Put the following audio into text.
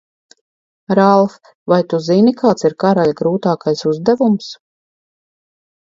Ralf, vai tu zini, kāds ir karaļa grūtākais uzdevums?